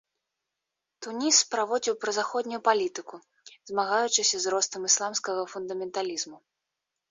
Туніс праводзіў празаходнюю палітыку, змагаючыся з ростам ісламскага фундаменталізму.